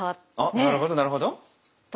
なるほどなるほど。